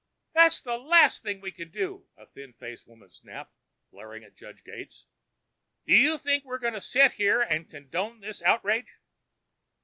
"That's the least we can do," a thin faced woman snapped, glaring at Judge Gates. "Do you think we're going to set here and condone this outrage?"